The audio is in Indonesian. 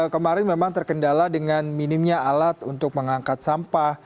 kemarin memang terkendala dengan minimnya alat untuk mengangkat sampah